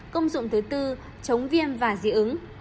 công dụng thứ bốn chống viêm và dị ứng